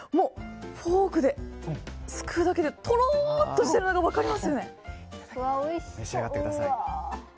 フォークですくうだけでとろーっとしているのが分かります。